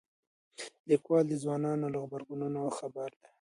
لیکوال د ځوانانو له غبرګونونو خبر دی.